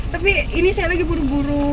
tapi ini saya lagi buru buru